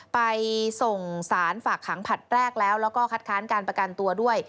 ไปส่งสารฝากขังผลัดแรกแล้วแล้วก็คัดค้านการประกันตัวด้วย